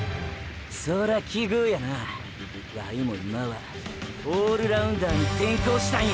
そら奇遇やなワイも今はオールラウンダーに転向したんや！！